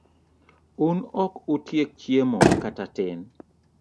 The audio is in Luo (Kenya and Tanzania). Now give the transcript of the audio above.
Un ok utiek chiemo kata tin?